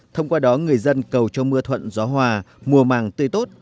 thông qua đó người dân cầu cho mưa thuận gió hòa mùa màng tươi tốt